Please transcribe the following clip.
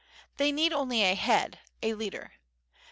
They need only a head, a leader.